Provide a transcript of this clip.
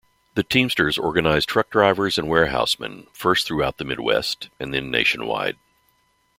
The Teamsters organized truck drivers and warehousemen, first throughout the Midwest, and then nationwide.